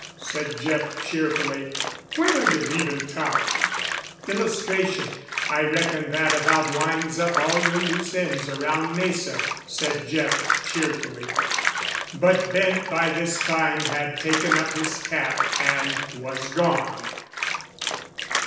said Jeff cheerfully. "When are you leaving town?" [Illustration: "'I reckon that about winds up all your loose ends around Mesa,' said Jeff cheerfully."] But Bent by this time had taken up his cap, and was gone.